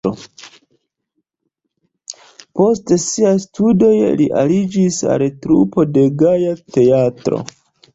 Post siaj studoj li aliĝis al trupo de Gaja Teatro.